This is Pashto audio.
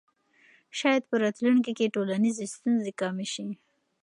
شاید په راتلونکي کې ټولنیزې ستونزې کمې سي.